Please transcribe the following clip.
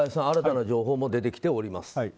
新たな情報も出てきております。